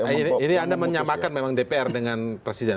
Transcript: ini anda menyamakan memang dpr dengan presiden